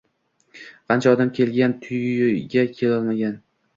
Qancha odam kelgan tuyga kelolmagan